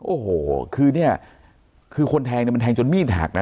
โอ้โหคือเนี่ยคือคนแทงเนี่ยมันแทงจนมีดหักนะ